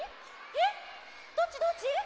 えっどっちどっち？